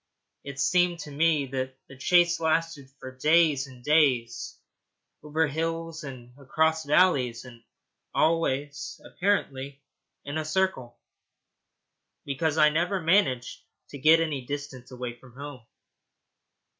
It seemed to me that the chase lasted for days and days, over hills and across valleys, and always, apparently, in a circle, because I never managed to get any distance away from home.